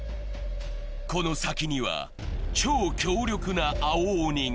この先には超強力な青鬼が。